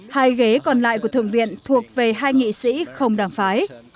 hai ghế còn lại của thượng viện thuộc về hai nghị sĩ không đảng phái